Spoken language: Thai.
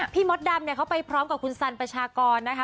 มดดำเนี่ยเขาไปพร้อมกับคุณสันประชากรนะคะ